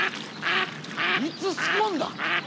いつ仕込んだ？